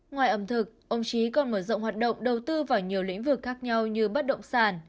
ngoài ẩm thực ông trí còn mở rộng hoạt động đầu tư vào nhiều lĩnh vực khác nhau như bất động sản